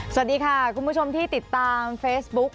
สวัสดีค่ะคุณผู้ชมที่ติดตามเฟซบุ๊ก